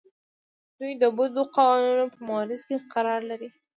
دوی د بدو قوانینو په معرض کې قرار لري.